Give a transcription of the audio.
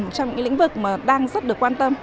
một trong những lĩnh vực mà đang rất được quan tâm